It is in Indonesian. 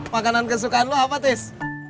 makanan kesukaan lo apa tis